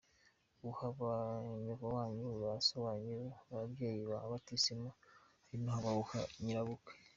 Uwuha ba nyokowanyu, ba sowanyu, umubyeyi wa batisimu hari naho bawuha ba nyirabukwe.